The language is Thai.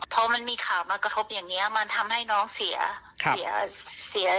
พอมันมีข่าวมากระทบอย่างนี้มันทำให้น้องเสียเสีย